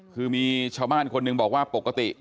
คือมีชาวบ้านคนหนึ่งบอกว่าปกติ